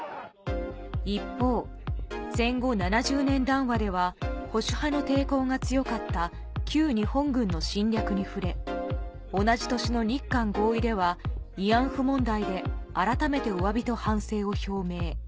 一方、戦後７０年談話では、保守派の抵抗が強かった旧日本軍の侵略に触れ、同じ年の日韓合意では、慰安婦問題で改めておわびと反省を表明。